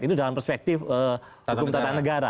itu dalam perspektif hukum tata negara